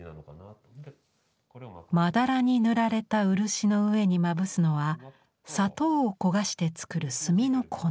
まだらに塗られた漆の上にまぶすのは砂糖を焦がして作る炭の粉。